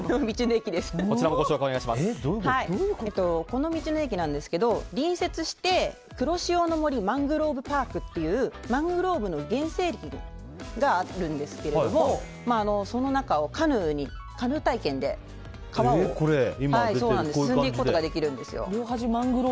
この道の駅なんですけど隣接して、黒潮の森マングローブパークというマングローブの原生林があるんですけれどもその中をカヌー体験で川を進んでいくことができるんです。